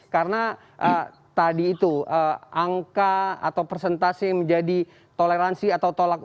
karena tadi itu angka atau persentase menjadi toleransi atau tolak